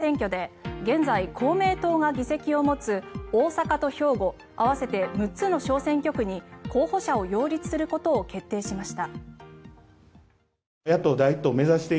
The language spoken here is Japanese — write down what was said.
日本維新の会は次の衆議院選挙で現在、公明党が議席を持つ大阪と兵庫合わせて６つの小選挙区に候補者を擁立することを決定しました。